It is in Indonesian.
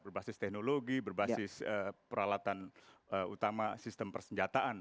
berbasis teknologi berbasis peralatan utama sistem persenjataan